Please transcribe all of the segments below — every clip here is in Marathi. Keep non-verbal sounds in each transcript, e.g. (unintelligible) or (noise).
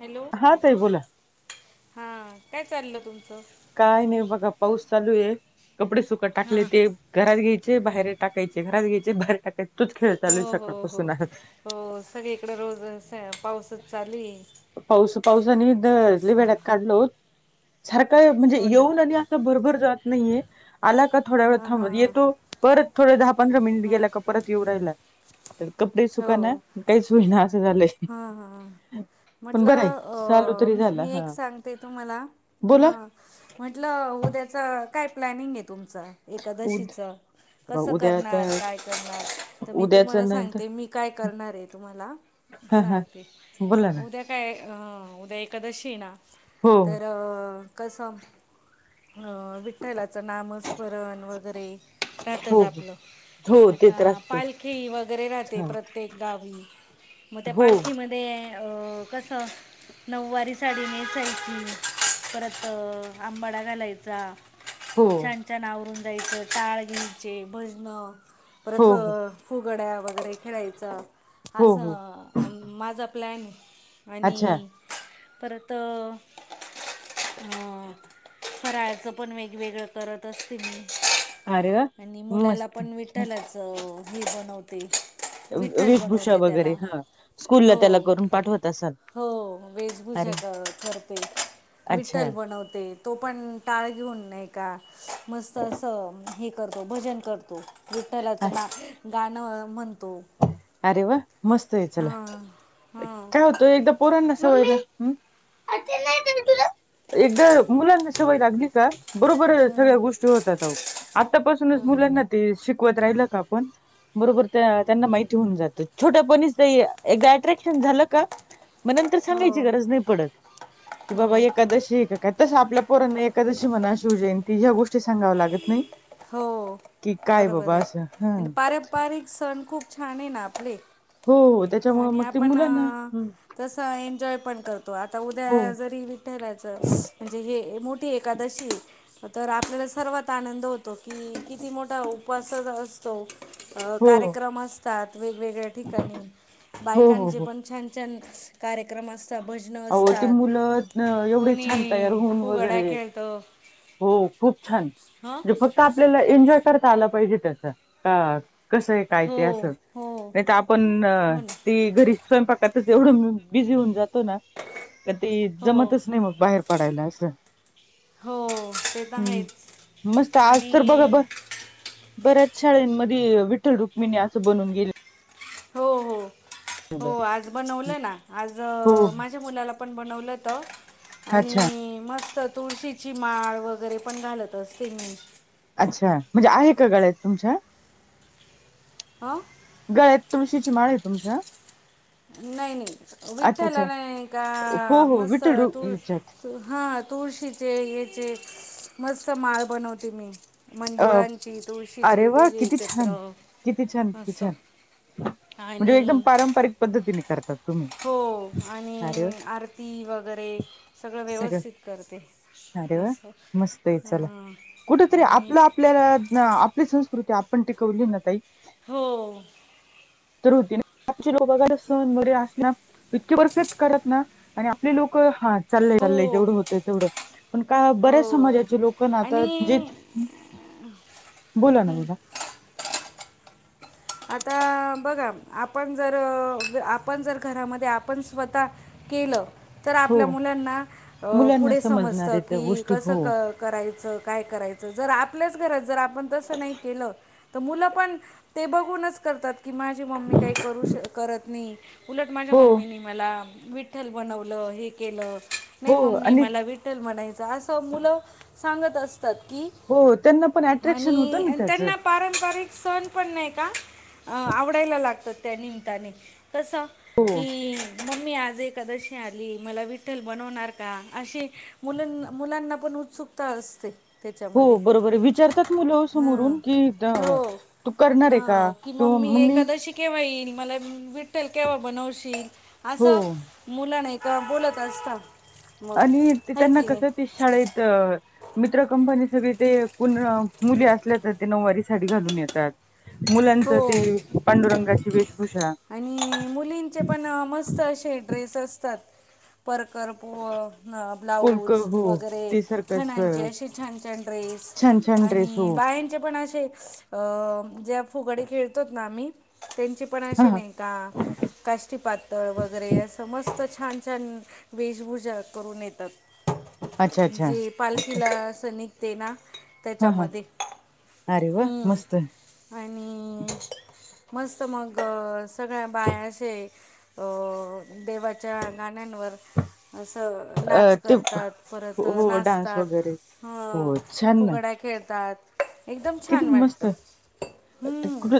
हॅलो हा ताई बोला हा काय चाललं तुमचं? काय नाही बघा पाऊस चालू आहे, कपडे सुकत हा. टाकले ते. घरात घ्यायचे बाहेर टाकायचे, घरात घ्यायचे बाहेर टाकायचे, तोच खेळ चालू आहे हो हो हो सकाळपासून हो सगळीकडे रोज पाऊसच चालूये. पाऊस पाऊसानी द लई वेड्यात काढलो ओ काय म्हणजे हो ना येऊन आणि असा भरभर जात नाहीये, आला का थोड्या वेळ हां थांबत हां येतो परत थोडे दहा पंधरा मिनिट हां हां गेल्या का परत येऊ राहियला तर कपडे सुका ना हो आन, ना आस झालंय. हा हा पण बरं आहे म्हटलं चालू अ तरी झाला मी एक हा सांगते तुमला बोला हा. म्हटलं उद्याच काय प्लॅनिंग आहे तुमच उद एकादशीच? कसं उद्या आता करणार काय करणार तर मी उद्याच तुम्हाला ना सांगते मी काय करणार आहे तुम्हाला- हा हा सांगते बोला ना उद्या- काय उद्या एकादशी हाय ना हो तर कसं- अ विठ्ठलाचं नामस्मरण वगैरे हो राहतच हो आपलं- ते आता तर असतच पालखी वगैरे राहते हा प्रत्येक गावी, मग त्या हो पालखीमध्ये अ कसं- नऊवारी साडी नेसायची परत आंबाडा घालायचा. हो छान छान आवरून जायचं टाळ घ्यायचे भजन हो परत- हो फुगड्या वगैरे खेळायचा हो हो असं माझा प्लॅन ये. अच्छा आणि परत हा फराळ च पण वेगवेगळं करत असते मी- अरे वा आणि मुलाला मस्त पण विठ्ठलाच ही बनवते. विठ्ठल बनवते त्याला. स्कूल ला त्याला करून पाठवत. असाल होहो वेशभूषा अरे क करते अच्छा विठ्ठल बनवते. तो पण टाळ घेऊन नाही का मस्त असं हे- करतो भजन करतो विठ्ठलाच अ- ना गाणं म्हणतो. अरे वा मस्त आहे चला हां हां काय होतं एकदा पोरांना सवय हम् तुला एकदा मुलांना सवय लागली का, बरोबर सगळ्या हां गोष्टी होतात आहो, आत्तापासूनच मुलांना ते शिकवत राहिलं का आपण- बरोबर त्यांना माहिती होऊन जातं, छोट्यापणीच एकदा अट्रॅक्ट- झाल का म नंतर हो सांगायची गरज नाही पडत, की बाबा हो एकादशी- काय तसं आपल्या पोरांने एखादशी मना शिवजयंती ह्या गोष्टी सांगाव्या लागत- नाही हो की काय बरोबर बाबा आहे, असं हा आणि पारंपारिक सण खूप छान आहे ना आपले. हो त्याच्यामुळे आणि मग त आपण मुलांना, अं, तसं एन्जॉय पण करतो आता उद्या हो जरी- विठ्ठलाच म्हणजे हे मोठी एकादशी तर आपल्याला सर्वात आनंद होत- तो की किती मोठा उपवासच असतो, हो कार्यक्रम असतात वेगवेगळ्या- ठिकाणी हो बायकांचे हो पण छान छान कार्यक्रम असत. भजन अहो ते असतात मुलं एवढे कोणी छान तयार होऊन फुगड्या वगैरे खेळतो. हो खूप छान फक्- का आपल्याला एन्जॉय करता आला पाहिजे त्याचा अ कसं, काय हो ते असं, हो नाही त आपण हो ना ती घरी स्वयंपाकातच एवढं मबिझी होऊन जातो ना? तती हो जमतच नाही मग बाहेर पडायला असं. हो ते तर आहेच हूं मस्त आज तर बघा आणि ब बऱ्याच शाळेनमधी विठ्ठल रुक्मिणी असं बनून गेले. हो, हो, हो आज बनवलं ना आज हो माझ्या मुलाला पन बनवलं होत अच्छा आणि मस्त तुळशीची माळ वगैरे पण घालत असतील. अच्छा, म्हणजे आहे का गळ्यात तुमच्या? आ! गळ्यात तुळशीची माळ हे तुमच्या? नाही नाही अच्छा विठ्ठला अच्छा नाही का हो हो मस्त विठ्ठल रुक् ह्याच्यात तू हा तुळशीचे याचे मस्त माळ बनवते मी. अ मंजुळांची अरे तुळशीची वा दोघे किती एकत्र छान किती छान किती असं. छान म्हणजे एकदम आणि पारंपरिक पद्धतीने करतात. तुम्ही हो अरे वा आणि आरती वगैरे सगळं व्यवस्थित करते. अरे वा असं मस्त हे चला अं, कुठ तरी आणि आपलं आपल्याला आप ली संस्कृती आपण टिकवली ना ताई हो! तर होती ना (unintelligible) सन वगैरे असण. इतके परफेक्ट करत ना आणि आपले लोक हात. चाललंय, चाललंय हो जेवढं होतंय तेवढं पण का हो बऱ्याच समाजाचे लोक ना आता आणि जीत बोला ना बोला. आता बघा आपण जर आपण जर घरामध्ये आपण स्वता केलं तर हो आपल्या मुलांना मुलांना पुढे अ समजतं समजणार त्या की गोष्टी कसं हो क करायचं काय करायचं, जर आपल्याच घरात जर आपण तस नाही केलं. त मुलं पण ते बघु नच करतात की माझी मम्मी काही करू श करत नाही उलट माझ्या हो मम्मीने मला विठ्ठल बनवलं, हे केलं नही हो मम्मी आणि मला वि ठ्ठल म्हनायचं असं मुलं सांगत असतात की हो त्यांना पण अट्रॅक्शन होतं ना त्याचं. पारंपारिक सण पण नाही का, अ आवडायला लागतात त्या निमत्तानी. कसं हो की मम्मी आज एकादशी आली मला विठ्ठल बनवणार का अशी मुलन मुलांना पण उत्सुक ता असते. हो त्याच्यामध्ये बरोबर हे विचारतात मुलं हां समोरून की द हो तू करणार हे का हां की किंवा मम्मी एकादशी केव्हा येईल मला विठ्ठल केव्हा बनवशील हो असं मुलं नाही का बोलत असता. आणि ते त्यांना कसं ते शाळेत मित्र कंपनी सगळी ते कोण मुली असल्या तर ते नऊवारी साडी घालून येतात. मुलांच ते हो पांडुरंगाची वेशभूषा. आणि मुलींचे पण मस्त असे ड्रेस असतात. परकर पो हं कोलक ब्लाऊज हो वगैरे. ते सारखंच अ, खणांचे असे छान, छान ड्रेस छान छान ड्रेस हो अणि बायांचे पण असे ज्या फुगडी खेळतोत ना आम्ही, त्यांची पण हा असे हा नाही का. काष्टी पातळ वगैरे असं मस्त छान -छान वेशभूषा करून येतात. अच्छा अच्छा जे पालखीला असं निघतय ना. हा हा त्याच्यामध्ये, अरे वा हम्म. मस्त आणि मस्त मग सगळ्या बाया अशे देवाच्या गाण्यांनवर असं. अ नाच ते करतात, परत हो डान्स नाचतात वगैरे हं, हो छान ना फुगडा खेळतात. एकदम किती छान मस्त, वाटतं कु हम्म.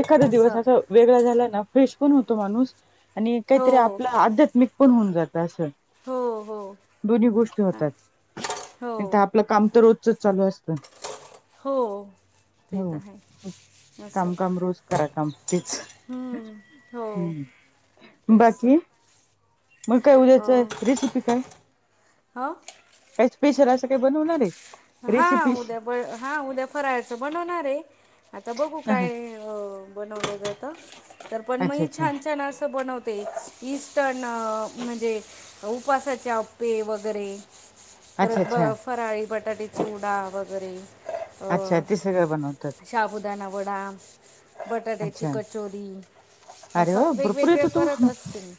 एखादा दिवस असं वेगळा झाला ना फ्रेश पण होतो माणूस, आणि काहीतरी हो आपला आध्यात्मिक पण होऊन जातं. असं, हो हो दोन्ही गोष्टी हा, होतात, हो आपलं काम तर हो चालू असत. हो. ते हो तर आहे असं कामकाम रोज. करा काम तेच, हम्म. हो बाकी हम्म. तेच बाकी. मग काय उद्याच रेसिपी काय? हां. काही स्पेशल असं काय बनवणार आहे. हा रेसिपी उद्या ब हा उद्या फराळाचं बनवणार आहे, आता बघू अच्छा काय हो बनवलं जातं, तर पण मग अच्छा छान -छान असं बनव ते इंस्टंन म्हणजे उपावासाचे आप्पे वगैरे अच्छा परत अच्छा ब फराळी बटाट्याची चिवडा वगैरे अच्छा, अं, ते सगळं बनवतात. साबुदाणा वडा, बटाट्याची अच्छा कचोरी अरे असं वा भरपूर वेगवेगळे येतं तू करत असते मी.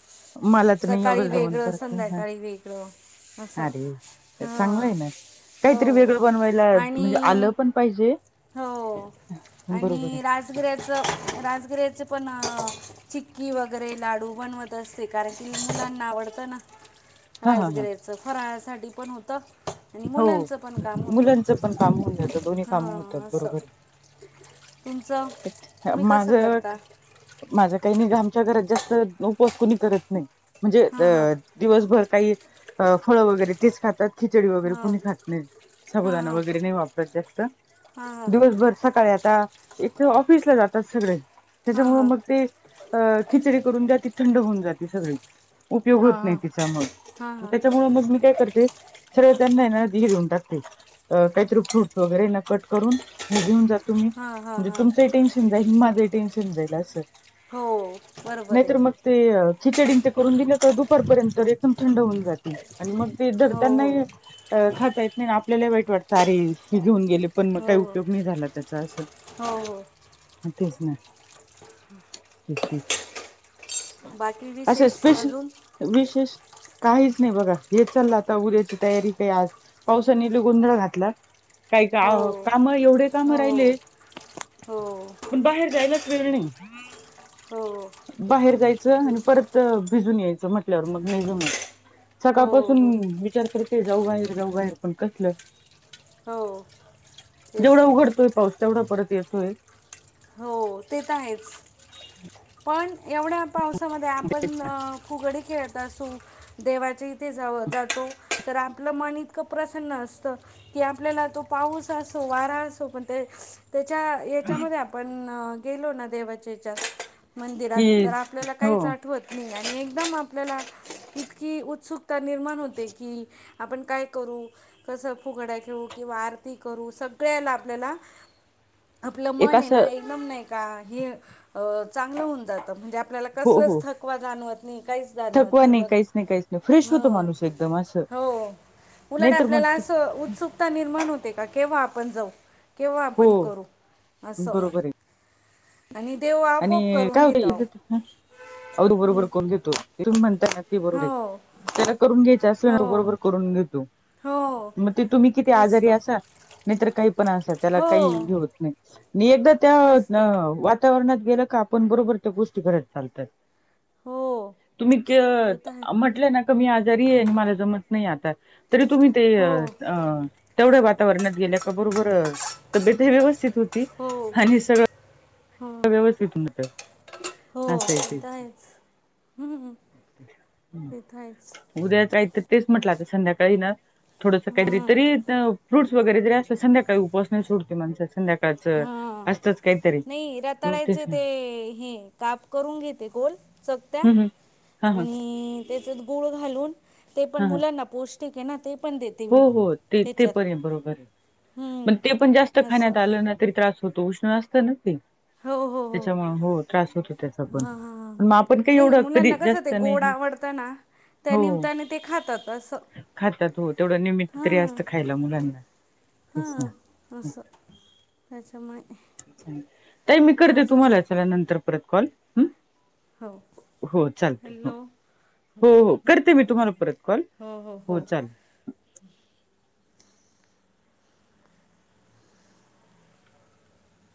मला तर नाही सकाळी एवढं जमत वेगळं, बरं का संध्याकाळी वेगळं असं अरे चांगलं हां. आहे ना काहीतरी हो, वेगळं बनवायला म्हणजे आलं आणि पण पाहिजे हो बरोबर आहे आणि राजगिऱ्याचं, राजगिऱ्याचं पण चिक्की वगैरे लाडू बनवते. तर श्रीकाराची मुलांना आवडतं ना? हा हा हा राजगिराच फराळासाठी पण होत, आणि हो मुलांच पण काम होतं. मुलांचं पण काम होऊन जातं दोन्ही कामं होतात हां असं. बरोबर तुमचं, आहे तुम्ही कसं माझं करता? माझं काही नाही आमच्या घरात जास्त उपवास कुणी करत नाही, म्हणजे हां हां अ दिवसभर काही, फळं वगैरे तेच खातात. खिचडी वगैरे हां कुणी खात नाहीत, साबुदाना हां वगैरे नाही वापरत जास्त. हां दिवसभर सकाळी आता, एकतर ऑफिसला जातात सगळे हां त्याच्यामुळे हां मग ते अ, खिचडी करून द्या, ती थंड होऊन जाते सगळी. हां हां उपयोग होत नाही हां तीचा मग, हां त्याच्यामुळं मग मी काय करते. श्रीखंड हाय ना दही देऊन टाकते, काहीतरी फ्रूटस वगैरेना कट करून, मी घेऊन जात तुम्ही, हां हां म्हणजे हां तुमचंही टेन्शन जाईल, माझं टेन्शन जाईल असं. हो बरोबर. आहे नाहीतर मग ना ते खिचडी ते करून दिले तर दुपारपर्यंत एकदम थंड होऊन जाते. आणि मग ते धड हो त्यांनाही खाता येत नाही, आपल्याला वाईट वाटतं अरे हे घेऊन गेले. पण मग हो हो काही हो उपयोग नाही झाला त्याचा असं. हो हो तेच ना, तेच तेच. बाकी, असं विशेष स्पेशल अजून? विशेष, काहीच नाही बघा. हे चाललं, आता उद्याची तयारीत आहे आज. पावसाने लई गोंधळ घातला, काही का हो कामं एवढे कामं हो राहिले, हो पण बाहेर जायलाच वेळ नाही. हो. बाहेर जायचं हो आणि परत भिजून यायचं, म्हटल्यावर मग नाही जमत. सकाळपासून हो विचार करते, जावू बाहेर. जावू बाहेर, पण कसलं? हो. तेच जेवढा तर. उघडतोय पाऊस, तेवढा परत येतोय. हो ते तर आहेच. पण एवढ्या पावसामध्ये, आपण फुगडी खेळत असु, देवाच्या इथे जावं जातो. तर आपलं मन, इतकं प्रसन्न असतं. कि आपल्याला, तो पाऊस असो, वारा असो पण ते त्याच्या याच्यामध्ये आपण गेलो ना, देवाच्या याच्यात मंदिरात, कि तर आपल्याला काहीच हो आठवत नाही आणि एकदम आपल्याला इतकी उत्सुकता निर्माण होते की, आपण काय करू? कसं फुगड्या खेळू? किंवा आरती करू? सगळ्याला आपल्याला (unintelligible) आपलं एक मन आहे असं ना, एकदम नाही का हे चांगलं होऊन जातं. म्हणजे आपल्याला हो हो कसलाच थकवा जाणवत नाही, काहीच जाणवत थकवा नाही बघा. काहीच नाही काहीच नाही फ्रेश होतो ह माणूस एकदम असं हो. उलट नाहीतर आपल्याला मग असं उत्सुक ता निर्माण होते, का केव्हा आपण जावू? केव्हा आपण हो करू? असं. बरोबर आहे आणि देव आप आणि काय हो ताई? हं? अवधूत बरोबर हं. कोण घेतो तुम्ही म्हणताय ना हे बरोबर आहे. हो त्याला करून घ्यायचं असलं ना, हो तो बरोबर करून देतो. हो. मग ते तुम्ही किती तेच आजारी तर असा, नाहीतर काही पण असा त्याला काही हो हे होत नाही. नी एकदा त्या तेच तर वातावरणात गेलं का, आपण बरोबर त्या गोष्टी करत चालतात. हो. तुम्ही के ते तर आहे म्हटलं ना, का मी आजारी आहे आणि मला जमत नाही आता तरी तुम्ही ते अ हो अ तेवढ्या वातावरणात गेल्या का बरोबर तब्येतही व्यवस्थित होत ती हो आणि सगळं हो व्यवस्थित हून येतं. हो, ते तर आहेच. हम्, ते तर आहेच. उद्या काही तर तेच म्हटलं आता संध्याकाळी ना, थोडसं काहीतरी हा तरी फ्रूट्स वगैरे जरी असलं, संध्याकाळी उपास नाही सोडते माणसं. संध्याकाळचं, हा असतंच काहीतरी. नाही मग तेच रताळ्याचे ते हे काप करून घेते, गोल चकत्या. हम्म हा हा आणि त्याच्यात गुळ घालून, ते पण हा हा मुलांना पौष्टिक आहे ना ते पण देते मी हो हो, ते ते त्याच्यात पण आहे बरोबर. पण ते पण जास्त हम्म असं खाण्यात आलं ना तरी त्रास होतो, उष्ण असतं ना ते. त्याच्यामुळं हो त्रास होतो. त्याचा पण हा हा हा, मग आपण काही नाही एवढं कधी मुलांना कसं ते जास्त नाही गोड ह आवडतं ना त्या हो निम्ताने ते खातात असं. खातात होय. तेवढं निमित्त तरी हां असत खायला मुलांना. त्यांच्यामुळे ताई मी करते तुम्हाला चला नंतर परत कॉल हम. हो हॅलो. हो हो करते मी तुम्हाला परत कॉल हो चालेल.